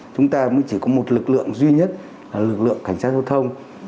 chúng ta chỉ có một lực lượng duy nhất là lực lượng cảnh sát thông thông